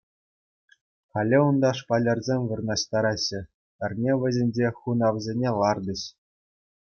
Халӗ унта шпалерсем вырнаҫтараҫҫӗ, эрне вӗҫӗнче хунавсене лартӗҫ.